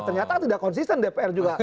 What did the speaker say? ternyata tidak konsisten dpr juga